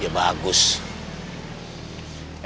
emang bagusnya menghindar aja ya